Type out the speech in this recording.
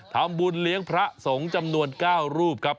ทำบุญเลี้ยงพระสงฆ์จำนวน๙รูปครับ